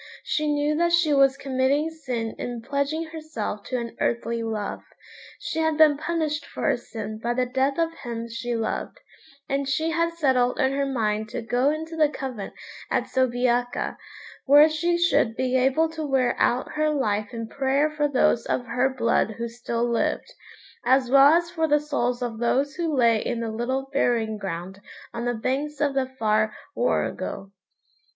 She knew that she was committing sin in pledging herself to an earthly love. She had been punished for her sin by the death of him she loved, and she had settled in her mind to go into the convent at Soubiaca, where she should be able to wear out her life in prayer for those of her blood who still lived, as well as for the souls of those who lay in the little burying ground on the banks of the far Warrego.